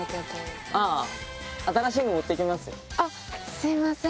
すいません。